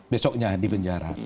besoknya di penjara